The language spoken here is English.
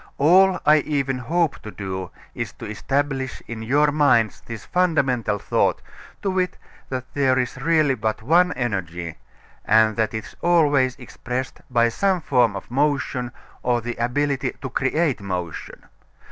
All I even hope to do is to establish in your minds this fundamental thought, to wit, that there is really but one Energy, and that it is always expressed by some form of motion or the ability to create motion.